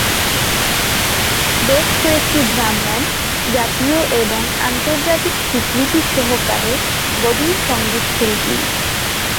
বেশ কয়েকটি ব্রাহ্মণ জাতীয় এবং আন্তর্জাতিক স্বীকৃতি সহকারে গভীর সংগীতশিল্পী।